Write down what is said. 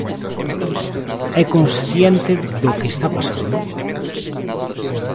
¿É consciente do que está pasando?